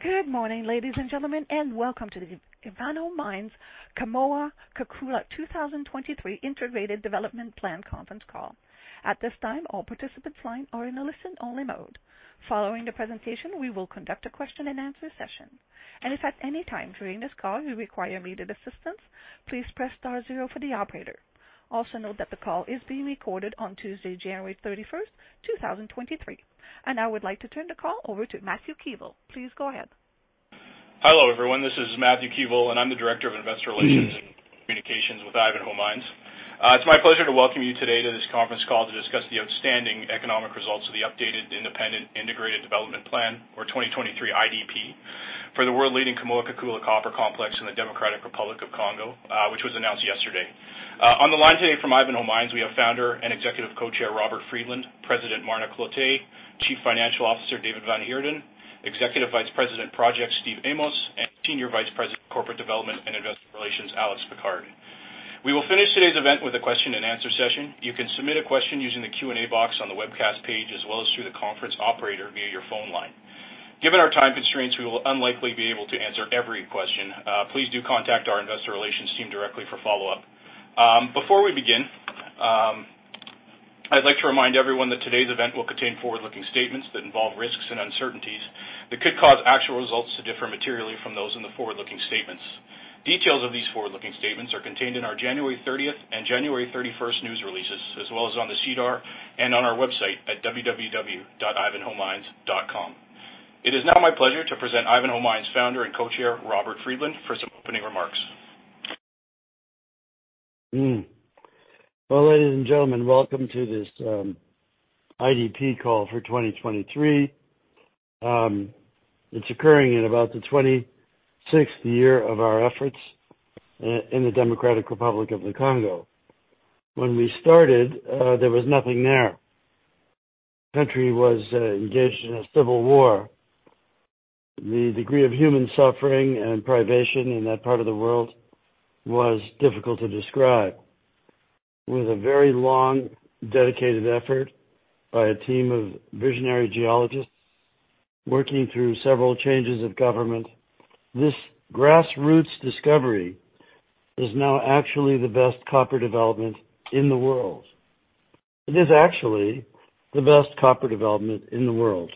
Good morning, ladies and gentlemen, and welcome to the Ivanhoe Mines Kamoa-Kakula 2023 Integrated Development Plan Conference Call. At this time, all participants' lines are in a listen-only mode. Following the presentation, we will conduct a question-and-answer session. If at any time during this call you require immediate assistance, please press star zero for the operator. Also note that the call is being recorded on Tuesday, January 31st, 2023. I now would like to turn the call over to Matthew Keevil. Please go ahead. Hello, everyone. This is Matthew Keevil, I'm the Director of Investor Relations and Communications with Ivanhoe Mines. It's my pleasure to welcome you today to this conference call to discuss the outstanding economic results of the updated independent integrated development plan or 2023 IDP for the world-leading Kamoa-Kakula copper complex in the Democratic Republic of Congo, which was announced yesterday. On the line today from Ivanhoe Mines, we have Founder and Executive Co-Chair, Robert Friedland, President Marna Cloete, Chief Financial Officer David van Heerden, Executive Vice President Projects Steve Amos, and Senior Vice President of Corporate Development and Investor Relations Alex Pickard. We will finish today's event with a question-and-answer session. You can submit a question using the Q&A box on the webcast page as well as through the conference operator via your phone line. Given our time constraints, we will unlikely be able to answer every question. Please do contact our investor relations team directly for follow-up. Before we begin, I'd like to remind everyone that today's event will contain forward-looking statements that involve risks and uncertainties that could cause actual results to differ materially from those in the forward-looking statements. Details of these forward-looking statements are contained in our January 30th and January 31st news releases, as well as on the SEDAR and on our website at www.ivanhoemines.com. It is now my pleasure to present Ivanhoe Mines Founder and Co-Chair, Robert Friedland, for some opening remarks. Well, ladies and gentlemen, welcome to this IDP call for 2023. It's occurring in about the 26th year of our efforts in the Democratic Republic of the Congo. When we started, there was nothing there. The country was engaged in a civil war. The degree of human suffering and privation in that part of the world was difficult to describe. With a very long, dedicated effort by a team of visionary geologists working through several changes of government, this grassroots discovery is now actually the best copper development in the world. It is actually the best copper development in the world.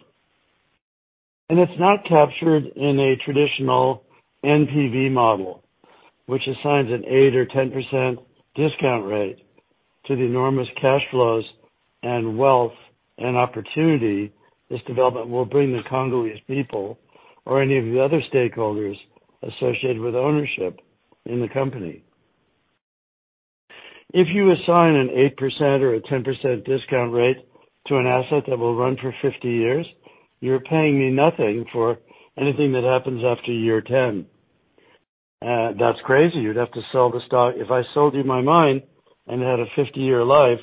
It's not captured in a traditional NPV model, which assigns an 8% or 10% discount rate to the enormous cash flows and wealth and opportunity this development will bring the Congolese people or any of the other stakeholders associated with ownership in the company. If you assign an 8% or a 10% discount rate to an asset that will run for 50 years, you're paying me nothing for anything that happens after year 10. That's crazy. You'd have to sell the stock. If I sold you my mine and had a 50-year life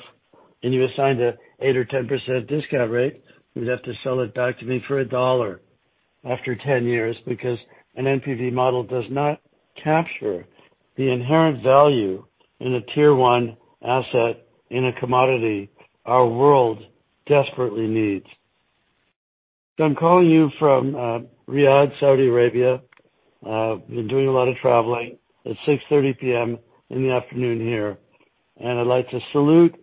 and you assigned an 8% or 10% discount rate, you'd have to sell it back to me for $1 after 10 years because an NPV model does not capture the inherent value in a tier-one asset in a commodity our world desperately needs. I'm calling you from Riyadh, Saudi Arabia. I've been doing a lot of traveling. It's 6:30 P.M. in the afternoon here, and I'd like to salute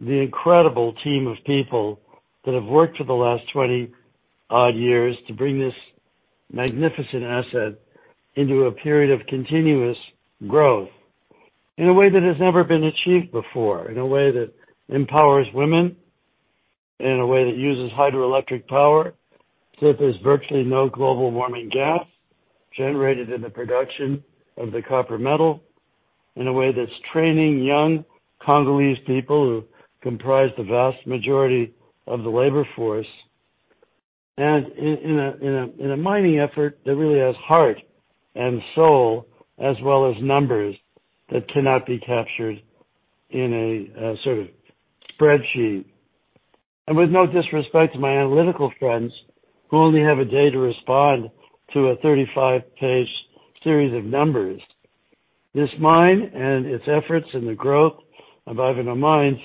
the incredible team of people that have worked for the last 20-odd years to bring this magnificent asset into a period of continuous growth in a way that has never been achieved before, in a way that empowers women, in a way that uses hydroelectric power. So there's virtually no global warming gas generated in the production of the copper metal, in a way that's training young Congolese people who comprise the vast majority of the labor force, in a mining effort that really has heart and soul as well as numbers that cannot be captured in a sort of spreadsheet. With no disrespect to my analytical friends who only have a day to respond to a 35-page series of numbers, this mine and its efforts and the growth of Ivanhoe Mines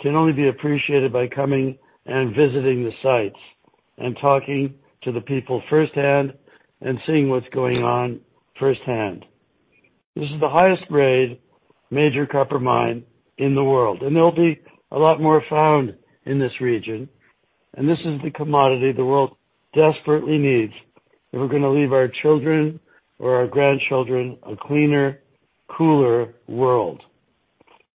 can only be appreciated by coming and visiting the sites and talking to the people firsthand and seeing what's going on firsthand. This is the highest-grade major copper mine in the world, and there'll be a lot more found in this region. This is the commodity the world desperately needs if we're gonna leave our children or our grandchildren a cleaner, cooler world.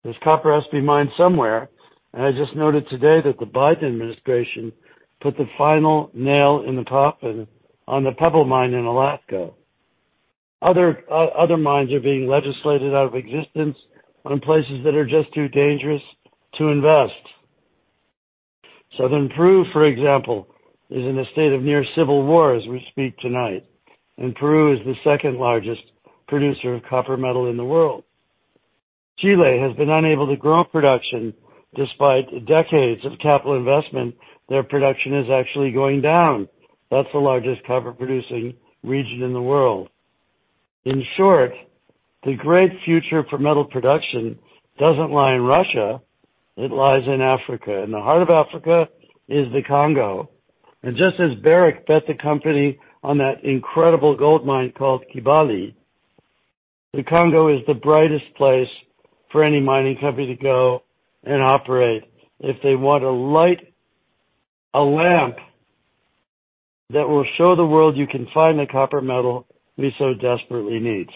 This copper has to be mined somewhere. I just noted today that the Biden administration put the final nail in the coffin on the Pebble Mine in Alaska. Other mines are being legislated out of existence on places that are just too dangerous to invest. Southern Peru, for example, is in a state of near civil war as we speak tonight, and Peru is the second-largest producer of copper metal in the world. Chile has been unable to grow production. Despite decades of capital investment, their production is actually going down. That's the largest copper-producing region in the world. In short, the great future for metal production doesn't lie in Russia, it lies in Africa. The heart of Africa is the Congo. Just as Barrick bet the company on that incredible gold mine called Kibali, the Congo is the brightest place for any mining company to go and operate if they want to light a lamp that will show the world you can find the copper metal we so desperately need.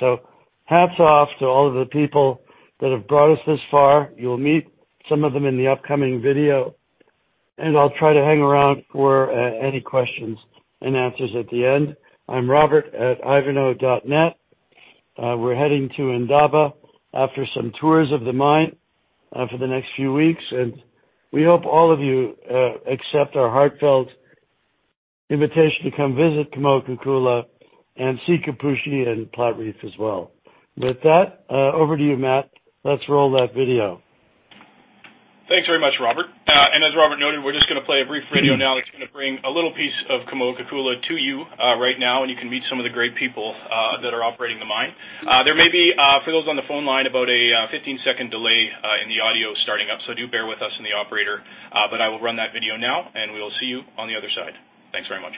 Hats off to all of the people that have brought us this far. You'll meet some of them in the upcoming video, and I'll try to hang around for any questions and answers at the end. I'm robert@ivanhoe.net. We're heading to Ndaba after some tours of the mine for the next few weeks, and we hope all of you accept our heartfelt invitation to come visit Kamoa-Kakula and see Kipushi and Platreef as well. With that, over to you, Matt. Let's roll that video. Thanks very much, Robert. As Robert noted, we're just gonna play a brief video now that's gonna bring a little piece of Kamoa-Kakula to you, right now, and you can meet some of the great people that are operating the mine. There may be, for those on the phone line, about a 15-second delay in the audio starting up, so do bear with us and the operator. I will run that video now, and we will see you on the other side. Thanks very much.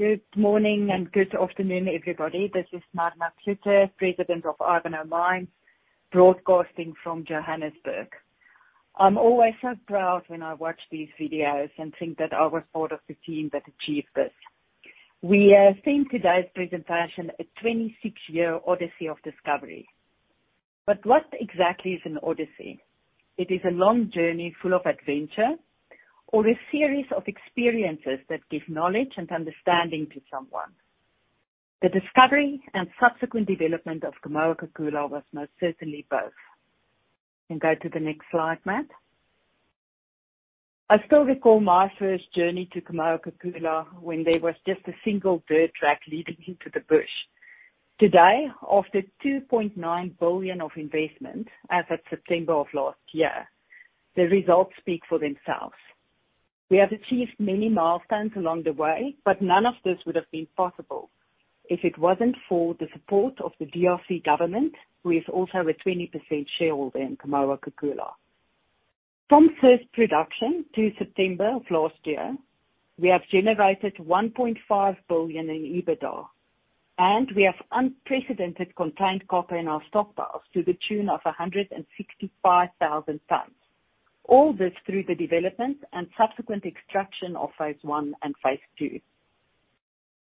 Good morning and good afternoon, everybody. This is Marna Cloete, President of Ivanhoe Mines, broadcasting from Johannesburg. I'm always so proud when I watch these videos and think that I was part of the team that achieved this. We theme today's presentation a 26-year odyssey of discovery. What exactly is an odyssey? It is a long journey full of adventure or a series of experiences that give knowledge and understanding to someone. The discovery and subsequent development of Kamoa-Kakula was most certainly both. You can go to the next slide, Matt. I still recall my first journey to Kamoa-Kakula when there was just a single dirt track leading into the bush. Today, after $2.9 billion of investment as at September of last year, the results speak for themselves. We have achieved many milestones along the way, but none of this would have been possible if it wasn't for the support of the DRC government, who is also a 20% shareholder in Kamoa-Kakula. From first production to September of last year, we have generated $1.5 billion in EBITDA, and we have unprecedented contained copper in our stockpiles to the tune of 165,000 tons. All this through the development and subsequent extraction phase one.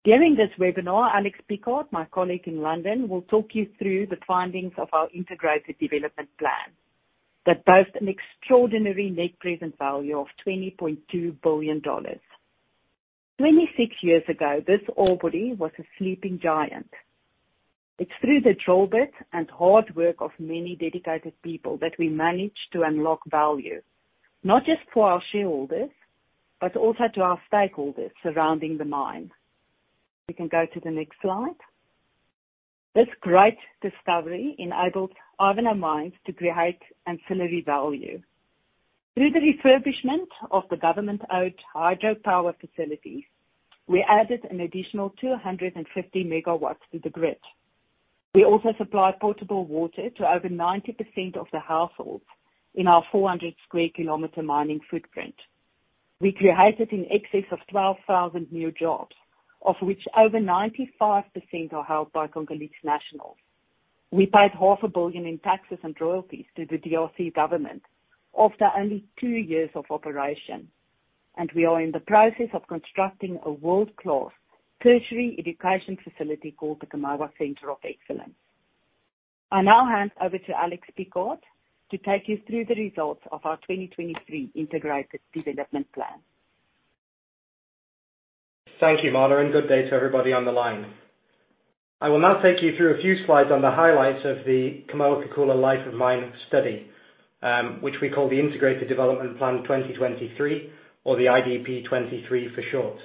During this webinar, Alex Pickard, my colleague in London, will talk you through the findings of our Integrated Development Plan that boasts an extraordinary Net Present Value of $22 billion. 26 years ago, this ore body was a sleeping giant. It's through the drill bits and hard work of many dedicated people that we managed to unlock value, not just for our shareholders, but also to our stakeholders surrounding the mine. We can go to the next slide. This great discovery enabled Ivanhoe Mines to create ancillary value. Through the refurbishment of the government-owned hydropower facilities, we added an additional 250 MW to the grid. We also supply portable water to over 90% of the households in our 400square kilometer I now hand over to Alex Pickard to take you through the results of our 2023 integrated development plan. Thank you, Marna, and good day to everybody on the line. I will now take you through a few slides on the highlights of the Kamoa-Kakula life of mine study, which we call the Integrated Development Plan 2023 or the IDP 23 for short.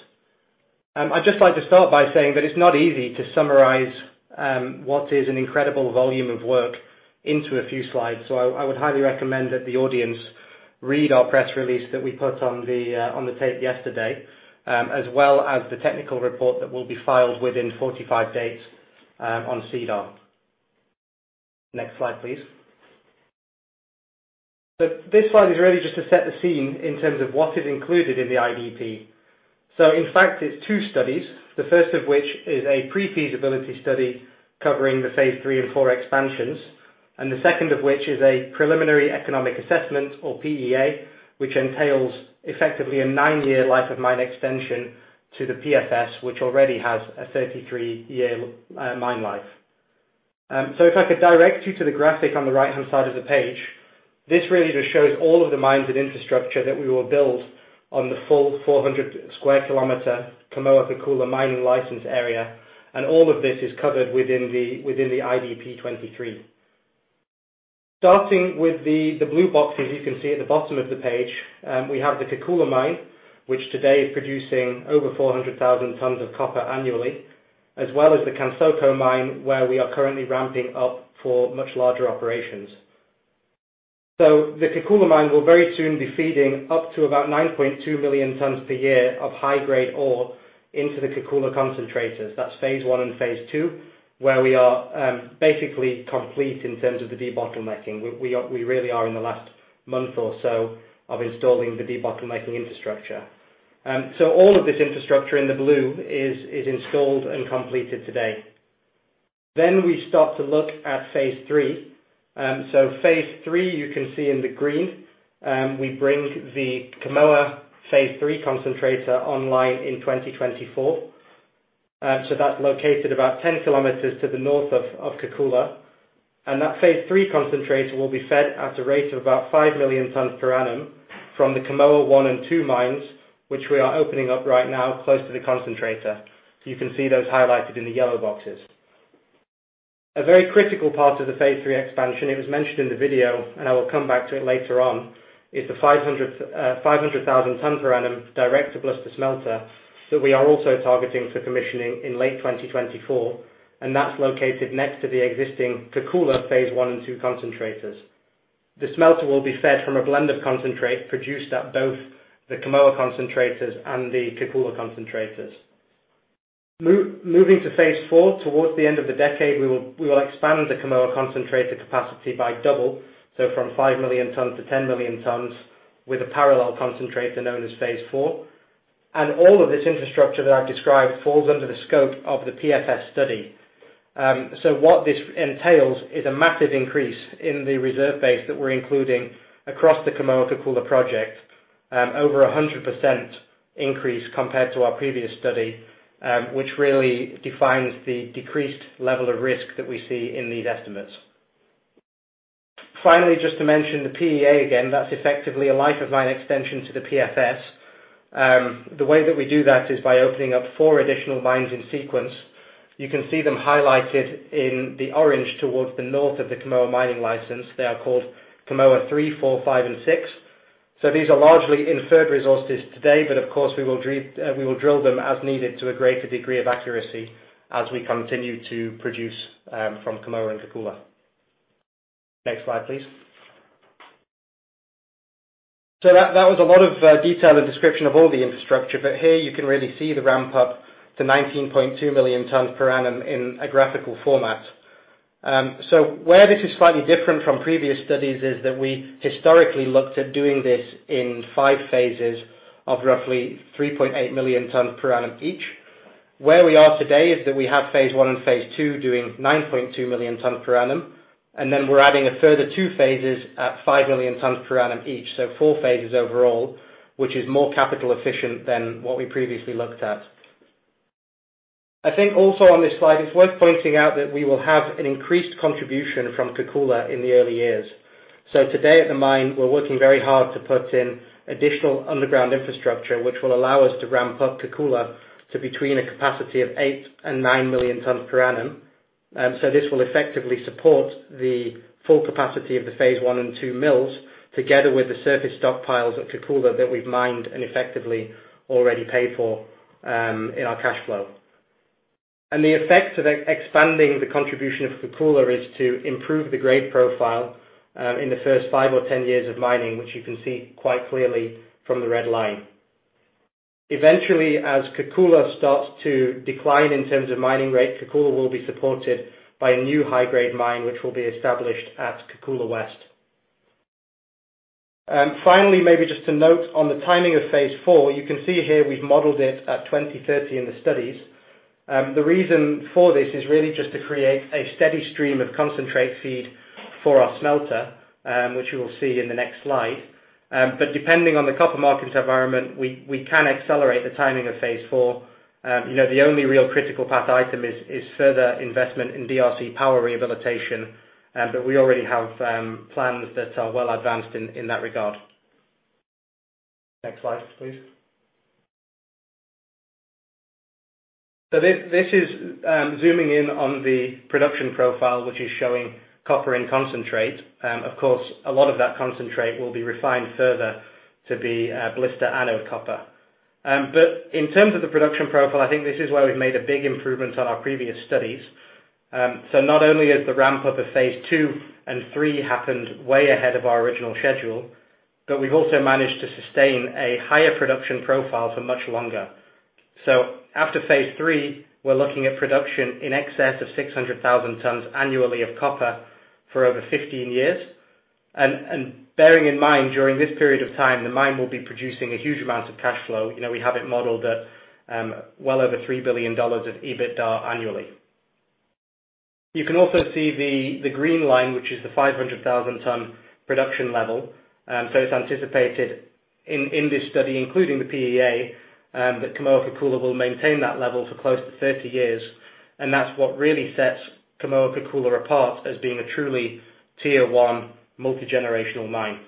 I'd just like to start by saying that it's not easy to summarize what is an incredible volume of work into a few slides. I would highly recommend that the audience read our press release that we put on the tape yesterday, as well as the technical report that will be filed within 45 days, on SEDAR. Next slide, please. This slide is really just to set the scene in terms of what is included in the IDP. In fact, it's two studies, the first of which is a pre-feasibility study covering the phase three and four expansions, and the second of which is a preliminary economic assessment or PEA, which entails effectively a 9-year life of mine extension to the PFS, which already has a 33-year mine life. If I could direct you to the graphic on the right-hand side of the page. This really just shows all of the mines and infrastructure that we will build on the full 400 square kilometer Kamoa-Kakula mining license area, and all of this is covered within the IDP 23. Starting with the blue box, as you can see at the bottom of the page, we have the Kakula mine, which today is producing over 400,000 tons of copper annually, as well as the Kansoko mine, where we are currently ramping up for much larger operations. The Kakula mine will very soon be feeding up to about 9.2 million tons per year of high-grade ore into the Kakula concentrators. Phase one and phase one, where we are basically complete in terms of the debottlenecking. We really are in the last month or so of installing the debottlenecking infrastructure. All of this infrastructure in the blue is installed and completed today. We start to look at phase three. Phase three, you can see in the green, we bring the Kamoa phase three concentrator online in 2024. That's located about 10 km to the north of Kakula. That phase three concentrator will be fed at a rate of about 5 million tons per annum from the Kamoa one and two mines, which we are opening up right now close to the concentrator. You can see those highlighted in the yellow boxes. A very critical part of the phase three expansion, it was mentioned in the video, and I will come back to it later on, is the 500,000 tons per annum direct to blister smelter that we are also targeting for commissioning in late 2024, that's located next to the existing Kakula phase one and two concentrators. The smelter will be fed from a blend of concentrate produced at both the Kamoa concentrators and the Kakula concentrators. Moving to phase four, towards the end of the decade, we will expand the Kamoa concentrator capacity by double, so from 5 million tons to 10 million tons with a parallel concentrator known as phase four. All of this infrastructure that I've described falls under the scope of the PFS study. What this entails is a massive increase in the reserve base that we're including across the Kamoa-Kakula project, over a 100% increase compared to our previous study, which really defines the decreased level of risk that we see in these estimates. Finally, just to mention the PEA again, that's effectively a life of mine extension to the PFS. The way that we do that is by opening up four additional mines in sequence. You can see them highlighted in the orange towards the north of the Kamoa mining license. They are called Kamoa three, four, five, and six. These are largely inferred resources today, but of course, we will drill them as needed to a greater degree of accuracy as we continue to produce from Kamoa and Kakula. Next slide, please. That was a lot of detail and description of all the infrastructure, but here you can really see the ramp up to 19.2 million tons per annum in a graphical format. Where this is slightly different from previous studies is that we historically looked at doing this in five phases of roughly 3.8 million tons per annum each. Where we are today is that we have phase one and phase two doing 9.2 million tons per annum, and then we're adding a further two phases at 5 million tons per annum each. Four phases overall, which is more capital efficient than what we previously looked at. I think also on this slide, it's worth pointing out that we will have an increased contribution from Kakula in the early years. Today at the mine, we're working very hard to put in additional underground infrastructure, which will allow us to ramp up Kakula to between a capacity of 8 and 9 million tons per annum. This will effectively support the full capacity of the phase one and two mills, together with the surface stockpiles at Kakula that we've mined and effectively already paid for, in our cash flow. The effects of expanding the contribution of Kakula is to improve the grade profile, in the first 5 or 10 years of mining, which you can see quite clearly from the red line. Eventually, as Kakula starts to decline in terms of mining rate, Kakula will be supported by a new high-grade mine, which will be established at Kakula West. Finally, maybe just to note on the timing of phase four, you can see here we've modeled it at 2030 in the studies. The reason for this is really just to create a steady stream of concentrate feed for our smelter, which you will see in the next slide. Depending on the copper markets environment, we can accelerate the timing of phase four. You know, the only real critical path item is further investment in DRC power rehabilitation, but we already have plans that are well advanced in that regard. Next slide, please. This is zooming in on the production profile, which is showing copper and concentrate. Of course, a lot of that concentrate will be refined further to be blister anode copper. In terms of the production profile, I think this is where we've made a big improvement on our previous studies. Not only has the ramp up of phase two and three happened way ahead of our original schedule, but we've also managed to sustain a higher production profile for much longer. After phase three, we're looking at production in excess of 600,000 tons annually of copper for over 15 years. Bearing in mind, during this period of time, the mine will be producing a huge amount of cash flow. You know, we have it modeled at well over $3 billion of EBITDA annually. You can also see the green line, which is the 500,000 ton production level. It's anticipated in this study, including the PEA, that Kamoa-Kakula will maintain that level for close to 30 years. That's what really sets Kamoa-Kakula apart as being a truly tier one multigenerational mine.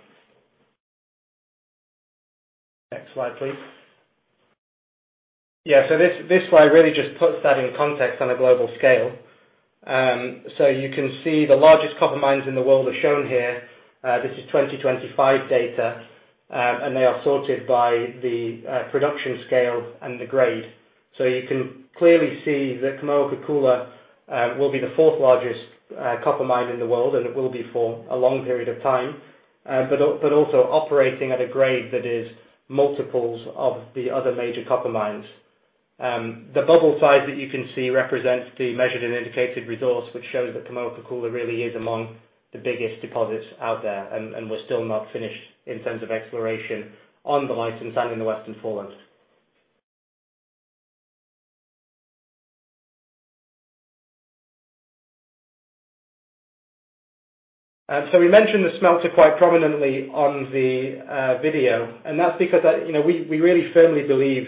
Next slide, please. This slide really just puts that in context on a global scale. You can see the largest copper mines in the world are shown here. This is 2025 data, and they are sorted by the production scale and the grade. You can clearly see that Kamoa-Kakula will be the fourth largest copper mine in the world, and it will be for a long period of time. But also operating at a grade that is multiples of the other major copper mines. The bubble size that you can see represents the measured and indicated resource, which shows that Kamoa-Kakula really is among the biggest deposits out there, and we're still not finished in terms of exploration on the license and in the Western Foreland. We mentioned the smelter quite prominently on the video. That's because, you know, we really firmly believe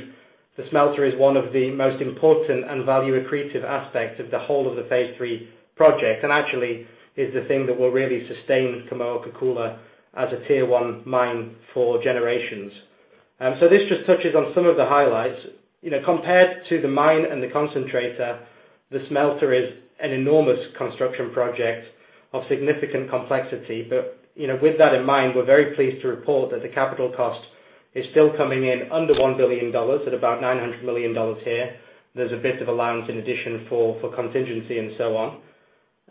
the smelter is one of the most important and value accretive aspects of the whole of the phase three project, and actually is the thing that will really sustain Kamoa-Kakula as a tier one mine for generations. This just touches on some of the highlights. You know, compared to the mine and the concentrator, the smelter is an enormous construction project of significant complexity. You know, with that in mind, we're very pleased to report that the capital cost is still coming in under $1 billion at about $900 million here. There's a bit of allowance in addition for contingency and so on.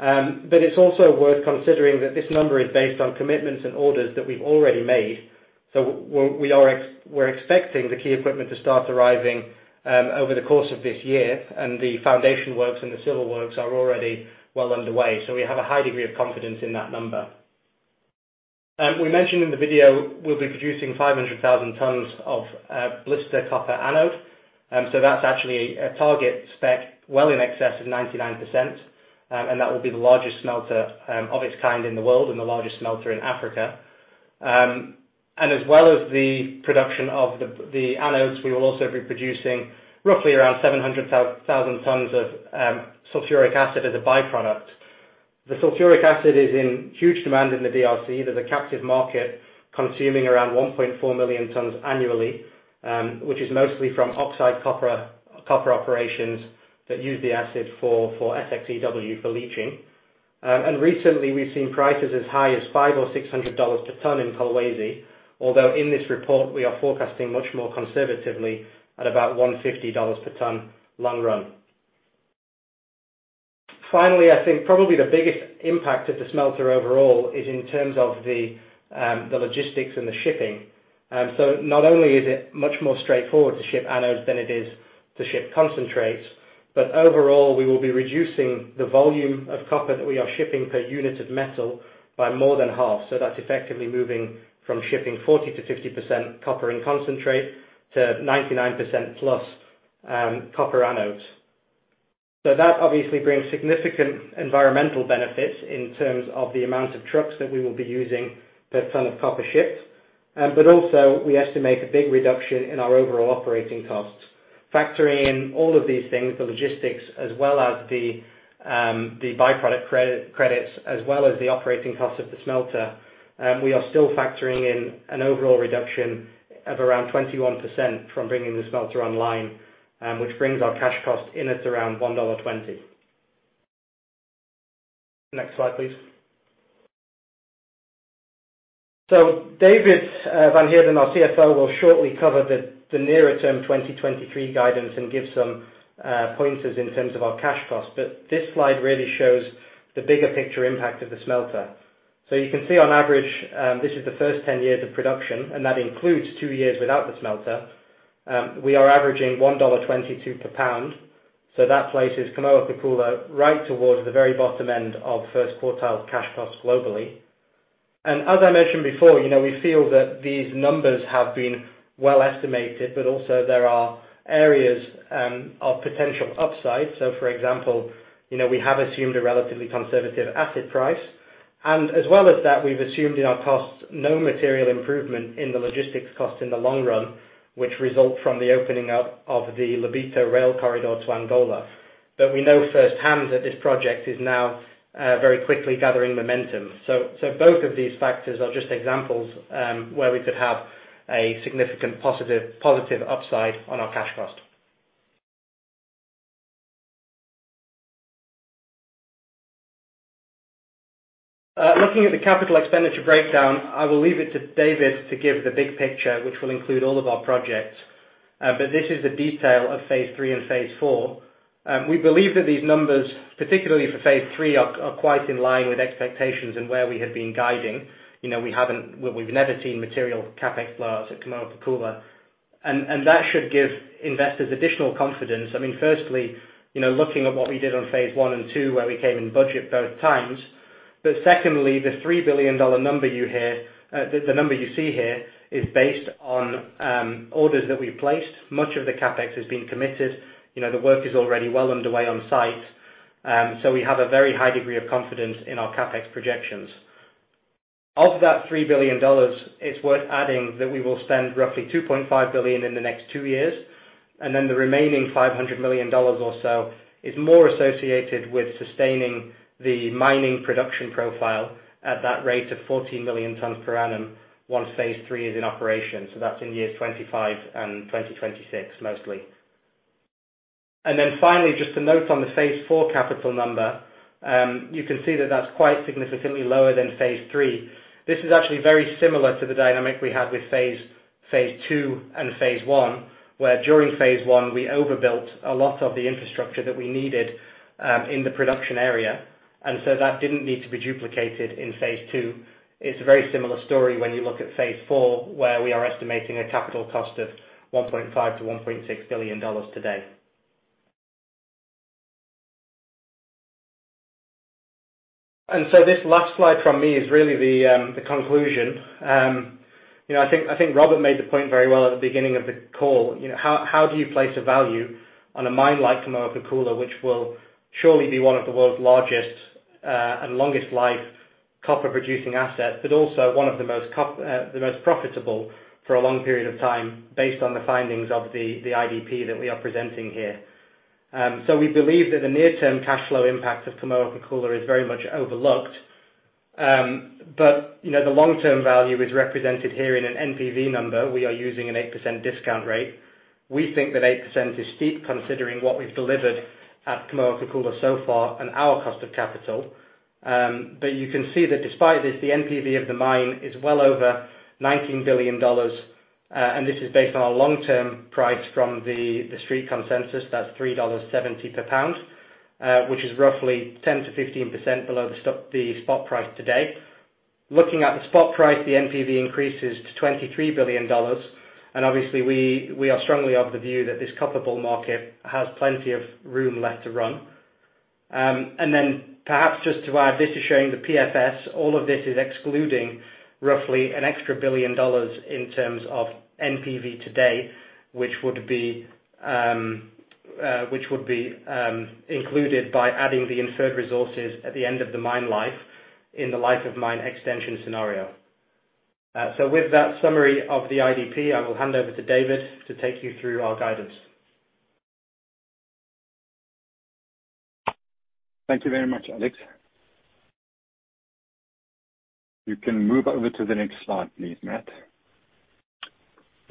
It's also worth considering that this number is based on commitments and orders that we've already made. We're expecting the key equipment to start arriving over the course of this year, and the foundation works and the civil works are already well underway. We have a high degree of confidence in that number. We mentioned in the video we'll be producing 500,000 tons of blister copper anode. That's actually a target spec well in excess of 99%. That will be the largest smelter of its kind in the world and the largest smelter in Africa. As well as the production of the anodes, we will also be producing roughly around 700,000 tons of sulfuric acid as a by-product. The sulfuric acid is in huge demand in the DRC. There's a captive market consuming around 1.4 million tons annually, which is mostly from oxide copper operations that use the acid for SXEW for leaching. Recently, we've seen prices as high as $500-$600 per ton in Kolwezi, although in this report, we are forecasting much more conservatively at about $150 per ton long run. Finally, I think probably the biggest impact of the smelter overall is in terms of the logistics and the shipping. Not only is it much more straightforward to ship anodes than it is to ship concentrates, but overall, we will be reducing the volume of copper that we are shipping per unit of metal by more than half. That's effectively moving from shipping 40%-50% copper in concentrate to 99%+ copper anodes. That obviously brings significant environmental benefits in terms of the amount of trucks that we will be using per ton of copper shipped. Also, we estimate a big reduction in our overall operating costs. Factoring in all of these things, the logistics as well as the byproduct credits, as well as the operating cost of the smelter, we are still factoring in an overall reduction of around 21% from bringing the smelter online, which brings our cash cost in at around $1.20. Next slide, please. David van Heerden, our CFO, will shortly cover the nearer-term 2023 guidance and give some pointers in terms of our cash costs. This slide really shows the bigger picture impact of the smelter. You can see on average, this is the first 10 years of production, and that includes two years without the smelter. We are averaging $1.22 per pound, so that places Kamoa-Kakula right towards the very bottom end of first quartile cash costs globally. As I mentioned before, you know, we feel that these numbers have been well estimated, but also there are areas of potential upside. For example, you know, we have assumed a relatively conservative asset price. As well as that, we've assumed in our costs no material improvement in the logistics costs in the long run, which result from the opening up of the Lobito rail corridor to Angola. We know firsthand that this project is now very quickly gathering momentum. Both of these factors are just examples, where we could have a significant positive upside on our cash cost. Looking at the capital expenditure breakdown, I will leave it to David to give the big picture, which will include all of our projects. This is the detail of phase three and phase four. We believe that these numbers, particularly for phase three, are quite in line with expectations and where we have been guiding. You know, we've never seen material CapEx blows at Kamoa-Kakula. That should give investors additional confidence. I mean, firstly, you know, looking at what we did on phase one and two, where we came in budget both times. Secondly, the $3 billion number you hear, the number you see here is based on, orders that we placed. Much of the CapEx has been committed. You know, the work is already well underway on site. We have a very high degree of confidence in our CapEx projections. Of that $3 billion, it's worth adding that we will spend roughly $2.5 billion in the next two years. The remaining $500 million or so is more associated with sustaining the mining production profile at that rate of 40 million tons per annum, once phase three is in operation. That's in years 2025 and 2026 mostly. Finally, just a note on the phase four capital number. You can see that that's quite significantly lower than phase three. This is actually very similar to the dynamic we had with phase two and phase one, where during phase one, we overbuilt a lot of the infrastructure that we needed in the production area. That didn't need to be duplicated in phase two. It's a very similar story when you look at phase four, where we are estimating a capital cost of $1.5 billion-$1.6 billion today. This last slide from me is really the conclusion. You know, I think Robert made the point very well at the beginning of the call. You know, how do you place a value on a mine like Kamoa-Kakula, which will surely be one of the world's largest, and longest life copper producing assets, but also one of the most profitable for a long period of time based on the findings of the IDP that we are presenting here. We believe that the near-term cash flow impact of Kamoa-Kakula is very much overlooked. You know, the long-term value is represented here in an NPV number. We are using an 8% discount rate. We think that 8% is steep, considering what we've delivered at Kamoa-Kakula so far and our cost of capital. You can see that despite this, the NPV of the mine is well over $19 billion. This is based on a long-term price from the street consensus, that's $3.70 per pound, which is roughly 10%-15% below the spot price today. Looking at the spot price, the NPV increases to $23 billion. Obviously we are strongly of the view that this copper bull market has plenty of room left to run. Perhaps just to add, this is showing the PFS. All of this is excluding roughly an extra $1 billion in terms of NPV today, which would be included by adding the inferred resources at the end of the mine life in the life of mine extension scenario. With that summary of the IDP, I will hand over to David to take you through our guidance. Thank you very much, Alex. You can move over to the next slide, please, Matt.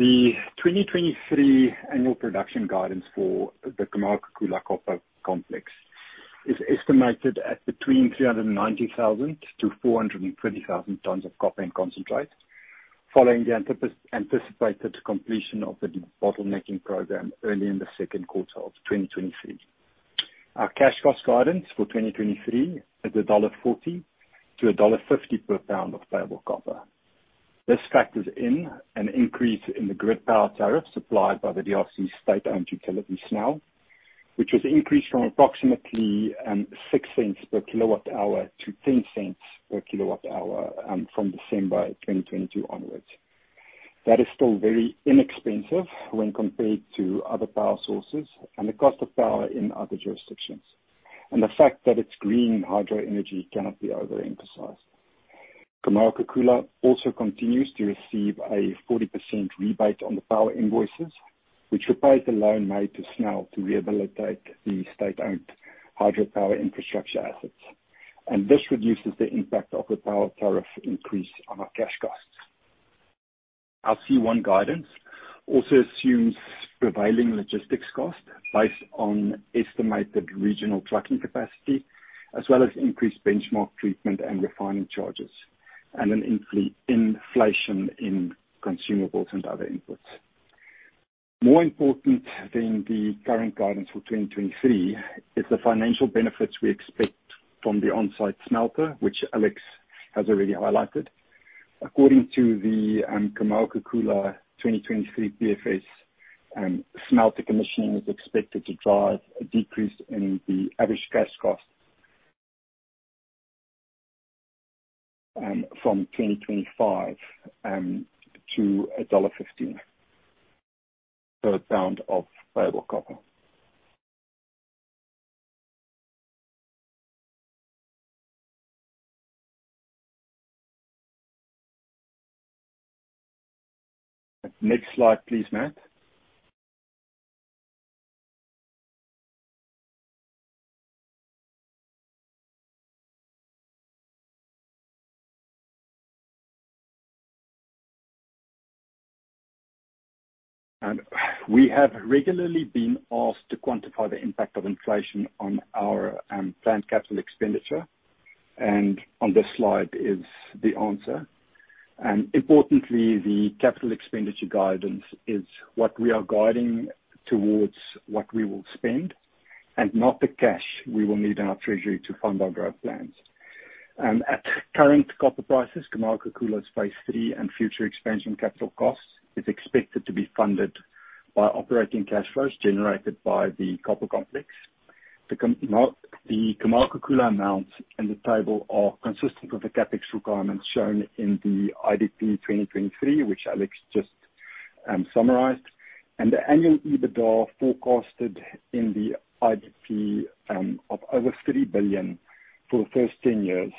The 2023 annual production guidance for the Kamoa-Kakula copper complex is estimated at between 390,000 to 420,000 tons of copper and concentrate following the anticipated completion of the bottlenecking program early in the second quarter of 2023. Our cash cost guidance for 2023 is $1.40 to $1.50 per pound of payable copper. This factors in an increase in the grid power tariff supplied by the DRC state-owned utility, SNEL, which was increased from approximately $0.06 per kilowatt hour to $0.10 per kilowatt hour from December 2022 onwards. That is still very inexpensive when compared to other power sources and the cost of power in other jurisdictions. The fact that it's green hydro energy cannot be overemphasized. Kamoa-Kakula also continues to receive a 40% rebate on the power invoices, which repays the loan made to SNEL to rehabilitate the state-owned hydropower infrastructure assets. This reduces the impact of the power tariff increase on our cash costs. Our C1 guidance also assumes prevailing logistics costs based on estimated regional trucking capacity, as well as increased benchmark treatment and refining charges and an inflation in consumables and other inputs. More important than the current guidance for 2023 is the financial benefits we expect from the on-site smelter, which Alex has already highlighted. According to the Kamoa-Kakula 2023 PFS, smelter commissioning is expected to drive a decrease in the average cash cost. From 2025, to $1.15 per pound of payable copper. Next slide, please, Matt. We have regularly been asked to quantify the impact of inflation on our planned capital expenditure. On this slide is the answer. Importantly, the capital expenditure guidance is what we are guiding towards what we will spend and not the cash we will need in our treasury to fund our growth plans. At current copper prices, Kamoa-Kakula phase three and future expansion capital costs is expected to be funded by operating cash flows generated by the copper complex. The Kamoa-Kakula amounts in the table are consistent with the CapEx requirements shown in the IDP 2023, which Alex just summarized. The annual EBITDA forecasted in the IDP of over $3 billion for the first 10 years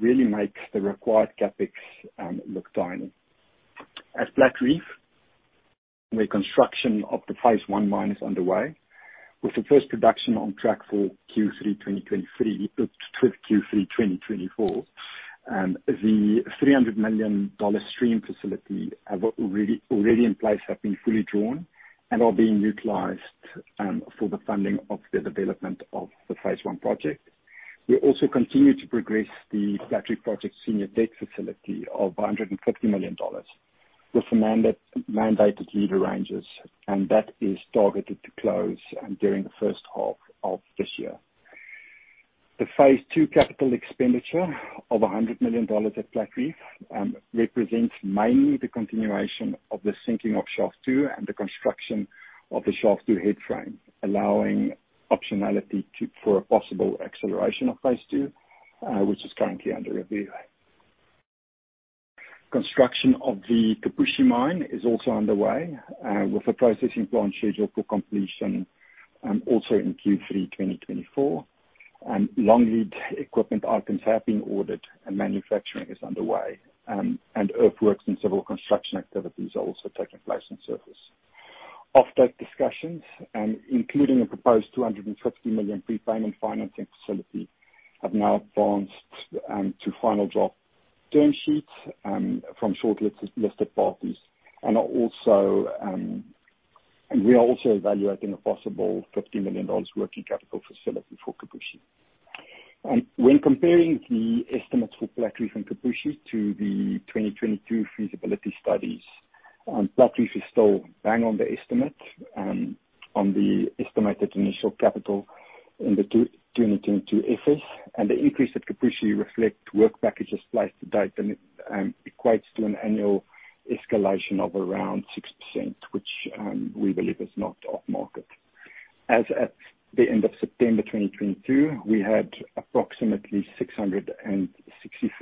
really makes the required CapEx look tiny. At Platreef, where construction of the phase one mine is underway, with the first production on track for Q3 2023, with Q3 2024. The $300 million stream facility have already in place have been fully drawn and are being utilized for the funding of the development of the phase one project. We also continue to progress the battery project senior debt facility of $150 million with the mandated lead arrangers, that is targeted to close during the first half of this year. The phase two capital expenditure of $100 million at Platreef represents mainly the continuation of the sinking of shaft two and the construction of the shaft two headframe, allowing optionality for a possible acceleration of phase two, which is currently under review. Construction of the Kipushi mine is also underway, with a processing plant scheduled for completion, also in Q3 2024. Long lead equipment items have been ordered and manufacturing is underway. Earthworks and civil construction activities are also taking place on surface. Offtake discussions, including a proposed $250 million prepayment financing facility, have now advanced to final draft term sheets from shortlist listed parties and are also, and we are also evaluating a possible $50 million working capital facility for Kipushi. When comparing the estimates for Platreef and Kipushi to the 2022 feasibility studies, Platreef is still bang on the estimate, on the estimated initial capital in the 2022 FS. The increase at Kipushi reflect work packages priced to date and it equates to an annual escalation of around 6%, which we believe is not off-market. As at the end of September 2022, we had approximately $663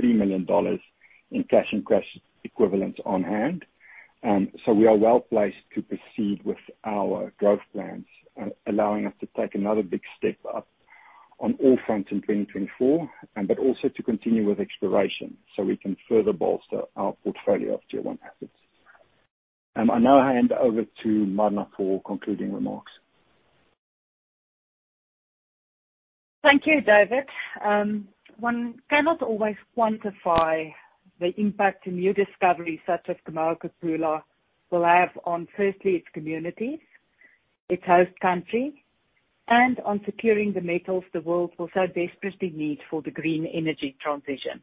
million in cash and cash equivalents on hand. We are well placed to proceed with our growth plans, allowing us to take another big step up on all fronts in 2024, also to continue with exploration so we can further bolster our portfolio of tier one assets. I now hand over to Marna for concluding remarks. Thank you, David. One cannot always quantify the impact of new discoveries such as Kamoa-Kakula. Will have on firstly, its communities, its host country, and on securing the metals the world will so desperately need for the green energy transition.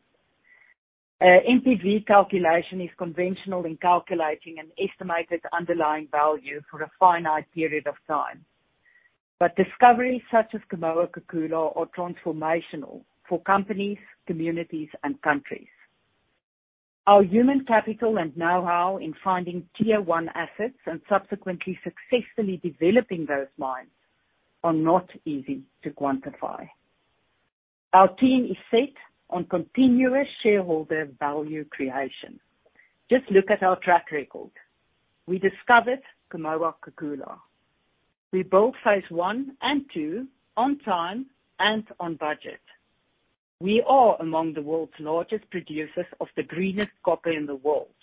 NPV calculation is conventional in calculating an estimated underlying value for a finite period of time. Discoveries such as Kamoa-Kakula are transformational for companies, communities, and countries. Our human capital and know-how in finding tier one assets and subsequently successfully developing those mines are not easy to quantify. Our team is set on continuous shareholder value creation. Just look at our track record. We discovered Kamoa-Kakula. We built phase one and two on time and on budget. We are among the world's largest producers of the greenest copper in the world.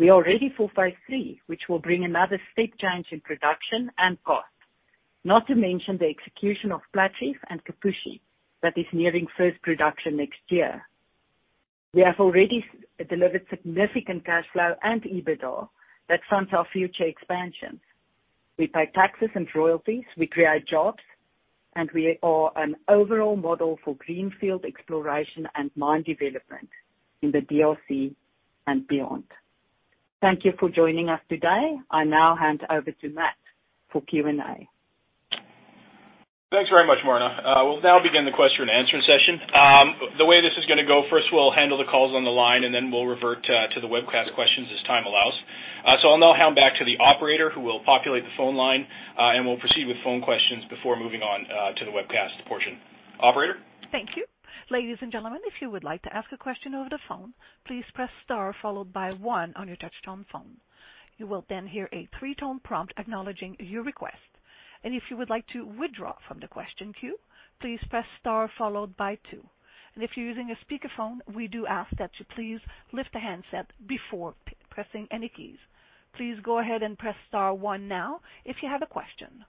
We are ready for phase three, which will bring another step change in production and cost. Not to mention the execution of Platreef and Kipushi that is nearing first production next year. We have already delivered significant cash flow and EBITDA that funds our future expansions. We pay taxes and royalties, we create jobs, and we are an overall model for greenfield exploration and mine development in the DRC and beyond. Thank you for joining us today. I now hand over to Matt for Q&A. Thanks very much, Marna. We'll now begin the question and answer session. The way this is gonna go, first we'll handle the calls on the line and then we'll revert to the webcast questions as time allows. I'll now hand back to the operator who will populate the phone line, and we'll proceed with phone questions before moving on to the webcast portion. Operator? Thank you. Ladies and gentlemen, if you would like to ask a question over the phone, please press star followed by one on your touchtone phone. You will then hear a 3-tone prompt acknowledging your request. If you would like to withdraw from the question queue, please press star followed by two. If you're using a speakerphone, we do ask that you please lift the handset before pressing any keys. Please go ahead and press star 1 now if you have a question.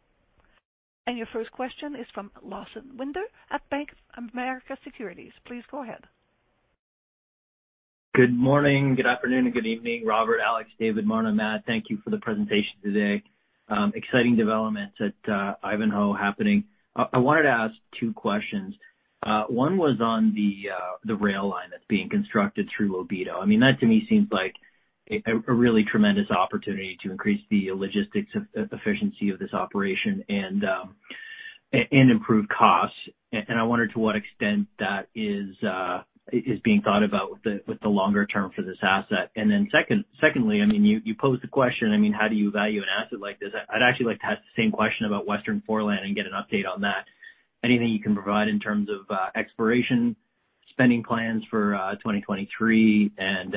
Your first question is from Lawson Winder at Bank of America Securities. Please go ahead. Good morning, good afternoon, and good evening, Robert, Alex, David, Marna, Matt, thank you for the presentation today. Exciting developments at Ivanhoe happening. I wanted to ask two questions. One was on the rail line that's being constructed through Lobito. I mean, that to me seems like a really tremendous opportunity to increase the logistics efficiency of this operation and improve costs. I wondered to what extent that is being thought about with the longer term for this asset. Secondly, I mean, you posed the question, I mean, how do you value an asset like this? I'd actually like to ask the same question about Western Foreland and get an update on that. Anything you can provide in terms of exploration, spending plans for 2023 and,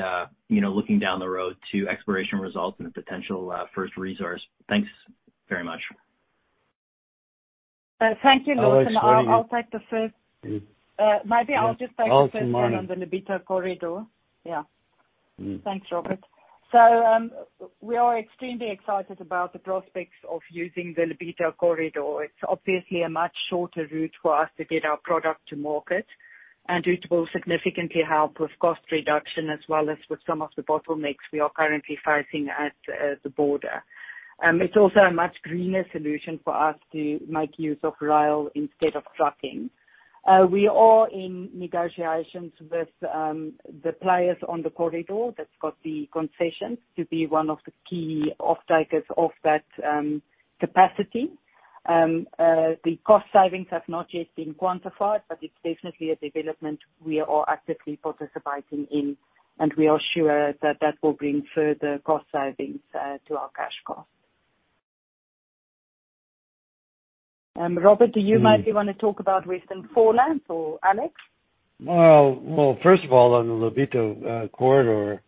you know, looking down the road to exploration results and a potential, first resource. Thanks very much. Thank you, Lawson. Alex, why don't you-. I'll take the first. maybe I'll just take the first one. Lawson, go on. on the Lobito Corridor. Yeah. Thanks, Robert. We are extremely excited about the prospects of using the Lobito Corridor. It's obviously a much shorter route for us to get our product to market, and it will significantly help with cost reduction as well as with some of the bottlenecks we are currently facing at the border. It's also a much greener solution for us to make use of rail instead of trucking. We are in negotiations with the players on the corridor that's got the concession to be one of the key offtakers of that capacity. The cost savings have not yet been quantified, but it's definitely a development we are actively participating in, and we are sure that that will bring further cost savings to our cash costs. Robert, do you maybe wanna talk about Western Foreland or Alex? Well, first of all, on the Lobito Corridor,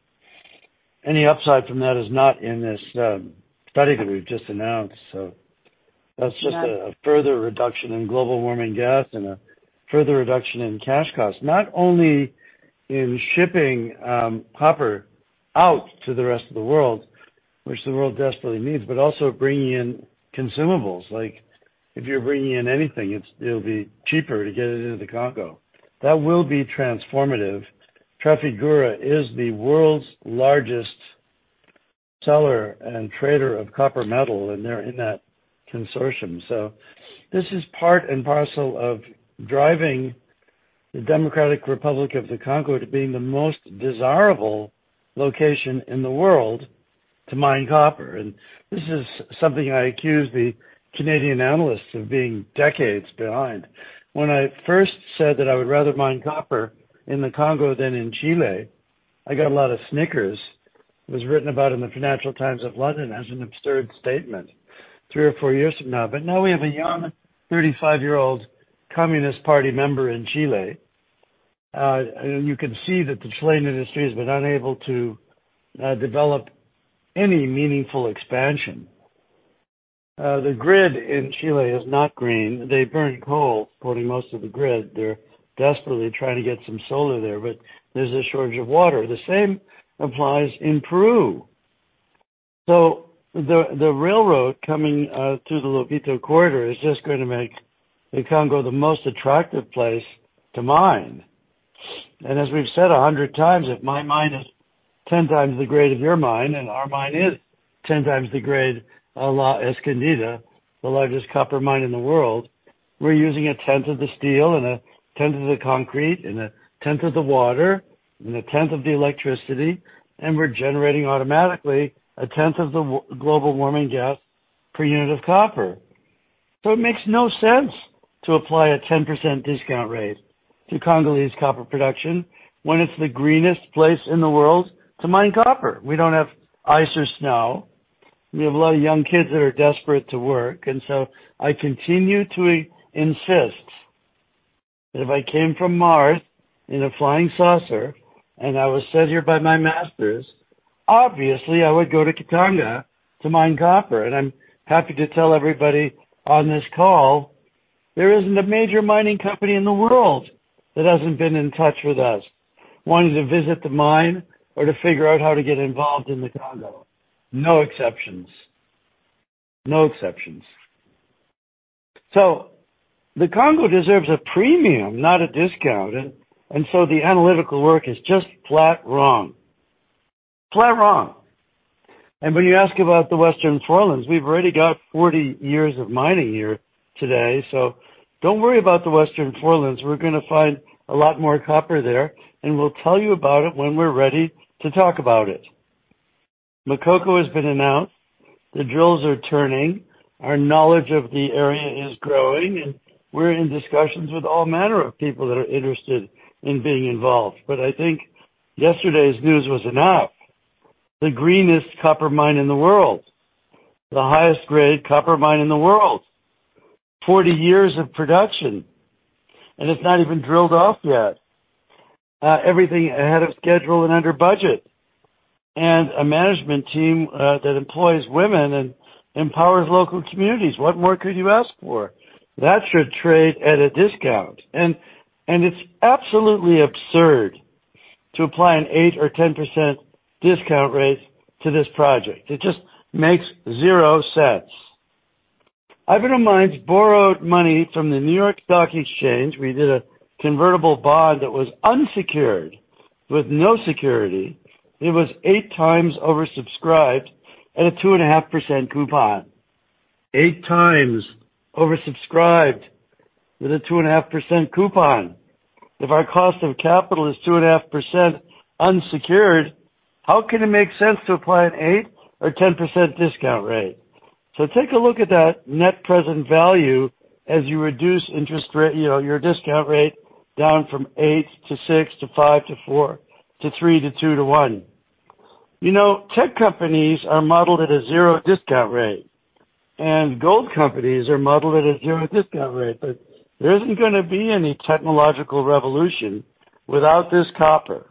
any upside from that is not in this study that we've just announced. That's just a further reduction in global warming gas and a further reduction in cash costs. Not only in shipping copper out to the rest of the world, which the world desperately needs, but also bringing in consumables. Like, if you're bringing in anything, it'll be cheaper to get it into the Congo. That will be transformative. Trafigura is the world's largest seller and trader of copper metal, they're in that consortium. This is part and parcel of driving the Democratic Republic of the Congo to being the most desirable location in the world to mine copper. This is something I accuse the Canadian analysts of being decades behind. When I first said that I would rather mine copper in the Congo than in Chile, I got a lot of snickers. It was written about in the Financial Times of London as an absurd statement 3 or 4 years from now. Now we have a young 35-year-old Communist Party member in Chile. You can see that the Chilean industry has been unable to develop any meaningful expansion. The grid in Chile is not green. They burn coal, putting most of the grid. They're desperately trying to get some solar there, but there's a shortage of water. The same applies in Peru. The railroad coming to the Lobito Corridor is just gonna make the Congo the most attractive place to mine. As we've said 100 times, if my mine is 10 times the grade of your mine, and our mine is 10 times the grade a la Escondida, the largest copper mine in the world, we're using a tenth of the steel and a tenth of the concrete and a tenth of the water and a tenth of the electricity, and we're generating automatically a tenth of the global warming gas per unit of copper. It makes no sense to apply a 10% discount rate to Congolese copper production when it's the greenest place in the world to mine copper. We don't have ice or snow. We have a lot of young kids that are desperate to work. I continue to insist that if I came from Mars in a flying saucer, I was sent here by my masters, obviously, I would go to Katanga to mine copper. I'm happy to tell everybody on this call, there isn't a major mining company in the world that hasn't been in touch with us, wanting to visit the mine or to figure out how to get involved in the Congo. No exceptions. No exceptions. The Congo deserves a premium, not a discount. The analytical work is just flat wrong. Flat wrong. When you ask about the Western Forelands, we've already got 40 years of mining here today. Don't worry about the Western Forelands. We're gonna find a lot more copper there, and we'll tell you about it when we're ready to talk about it. Makoko has been announced. The drills are turning. Our knowledge of the area is growing, we're in discussions with all manner of people that are interested in being involved. I think yesterday's news was enough. The greenest copper mine in the world, the highest grade copper mine in the world, 40 years of production, and it's not even drilled off yet. Everything ahead of schedule and under budget. A management team that employs women and empowers local communities. What more could you ask for? That should trade at a discount. It's absolutely absurd to apply an 8% or 10% discount rate to this project. It just makes zero sense. Ivanhoe Mines borrowed money from the New York Stock Exchange. We did a convertible bond that was unsecured, with no security. It was 8 times oversubscribed at a 2.5% coupon. Eight times oversubscribed with a 2.5% coupon. If our cost of capital is 2.5% unsecured, how can it make sense to apply an 8% or 10% discount rate? Take a look at that net present value as you reduce interest rate, you know, your discount rate down from 8 to 6 to 5 to 4 to 3 to 2 to 1. You know, tech companies are modeled at a 0% discount rate, and gold companies are modeled at a 0% discount rate. There isn't gonna be any technological revolution without this copper.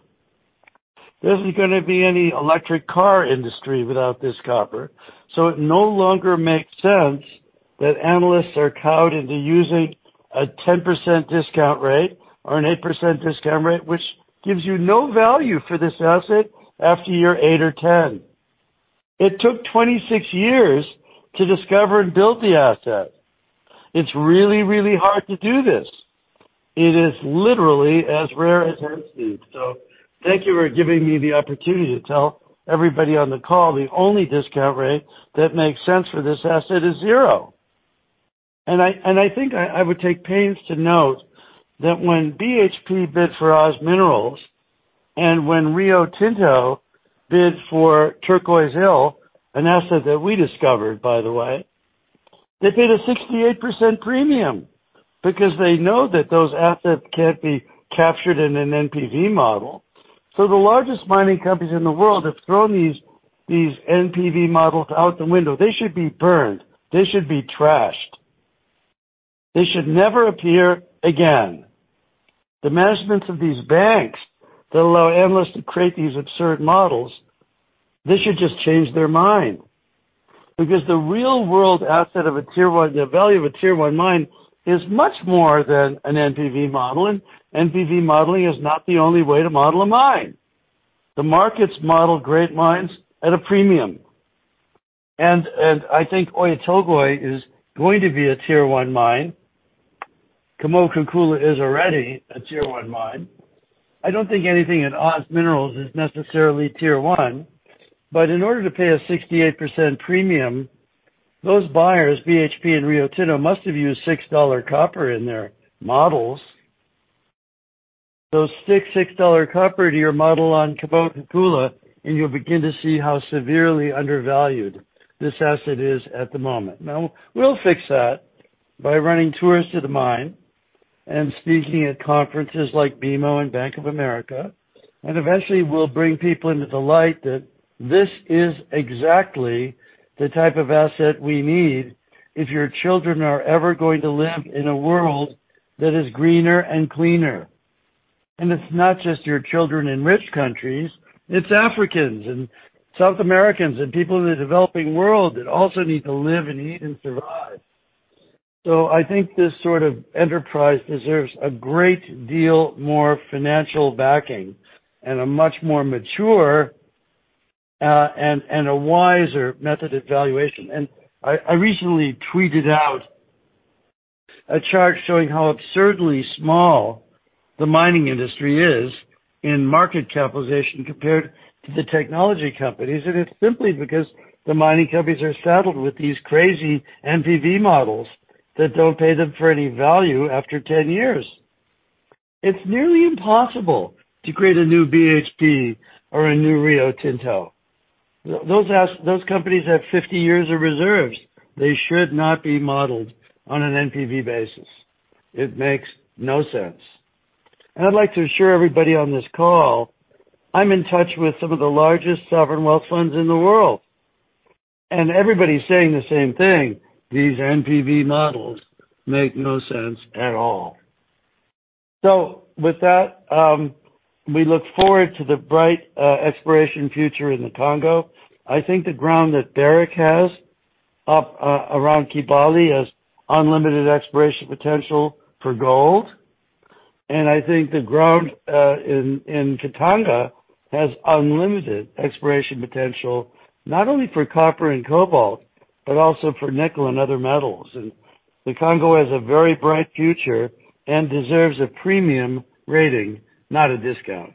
There isn't gonna be any electric car industry without this copper. It no longer makes sense that analysts are cowed into using a 10% discount rate or an 8% discount rate, which gives you no value for this asset after year 8 or 10. It took 26 years to discover and build the asset. It's really, really hard to do this. It is literally as rare as hen's teeth. Thank you for giving me the opportunity to tell everybody on the call the only discount rate that makes sense for this asset is zero. I think I would take pains to note that when BHP bid for OZ Minerals and when Rio Tinto bid for Turquoise Hill, an asset that we discovered, by the way, they paid a 68% premium because they know that those assets can't be captured in an NPV model. The largest mining companies in the world have thrown these NPV models out the window. They should be burned. They should be trashed. They should never appear again. The managements of these banks that allow analysts to create these absurd models, they should just change their mind because the real-world asset of a tier one, the value of a tier one mine is much more than an NPV model, NPV modeling is not the only way to model a mine. The markets model great mines at a premium. I think Oyu Tolgoi is going to be a tier one mine. Kamoa-Kakula is already a tier one mine. I don't think anything in OZ Minerals is necessarily tier one. In order to pay a 68% premium, those buyers, BHP and Rio Tinto, must have used $6 copper in their models. Stick $6 copper to your model on Kamoa-Kakula, and you'll begin to see how severely undervalued this asset is at the moment. We'll fix that by running tours to the mine and speaking at conferences like BMO and Bank of America, and eventually we'll bring people into the light that this is exactly the type of asset we need if your children are ever going to live in a world that is greener and cleaner. It's not just your children in rich countries, it's Africans and South Americans and people in the developing world that also need to live and eat and survive. I think this sort of enterprise deserves a great deal more financial backing and a much more mature and a wiser method of valuation. I recently tweeted out a chart showing how absurdly small the mining industry is in market capitalization compared to the technology companies. It's simply because the mining companies are saddled with these crazy NPV models that don't pay them for any value after 10 years. It's nearly impossible to create a new BHP or a new Rio Tinto. Those companies have 50 years of reserves. They should not be modeled on an NPV basis. It makes no sense. I'd like to assure everybody on this call, I'm in touch with some of the largest sovereign wealth funds in the world, and everybody's saying the same thing. These NPV models make no sense at all. With that, we look forward to the bright, exploration future in the Congo. I think the ground that Barrick has up, around Kibali has unlimited exploration potential for gold. I think the ground, in Katanga has unlimited exploration potential, not only for copper and cobalt, but also for nickel and other metals. The Congo has a very bright future and deserves a premium rating, not a discount.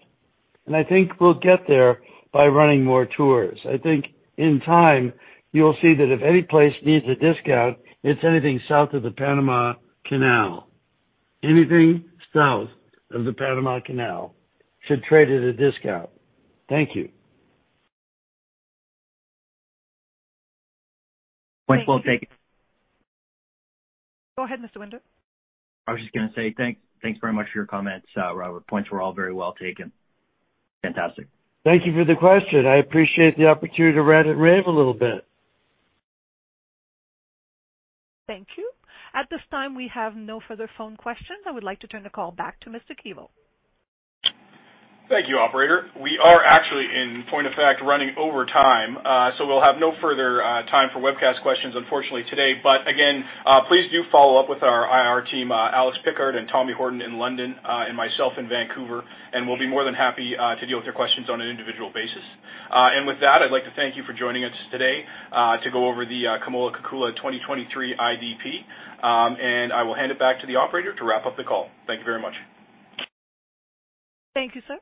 I think we'll get there by running more tours. I think in time you'll see that if any place needs a discount, it's anything south of the Panama Canal. Anything south of the Panama Canal should trade at a discount. Thank you. Points well taken. Go ahead, Mr. Winder. I was just gonna say thanks very much for your comments, Robert. Points were all very well taken. Fantastic. Thank you for the question. I appreciate the opportunity to rant and rave a little bit. Thank you. At this time, we have no further phone questions. I would like to turn the call back to Mr. Keevil. Thank you, operator. We are actually, in point of fact, running over time. So we'll have no further time for webcast questions unfortunately today. Again, please do follow up with our IR team, Alex Pickard and Tommy Horton in London, and myself in Vancouver, and we'll be more than happy to deal with your questions on an individual basis. With that, I'd like to thank you for joining us today to go over the Kamoa-Kakula 2023 IDP. I will hand it back to the operator to wrap up the call. Thank you very much. Thank you, sir.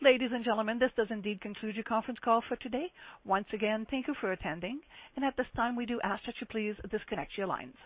Ladies and gentlemen, this does indeed conclude your conference call for today. Once again, thank you for attending. At this time, we do ask that you please disconnect your lines.